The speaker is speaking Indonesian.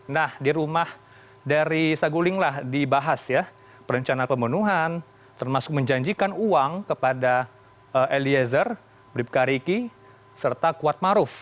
nah di rumah dari sagulinglah dibahas ya perencanaan pembunuhan termasuk menjanjikan uang kepada eliezer bribka riki serta kuatmaruf